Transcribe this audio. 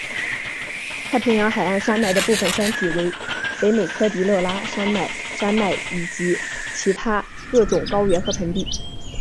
太平洋海岸山脉的部分山体为北美科迪勒拉山脉山脉以及其他各种高原和盆地。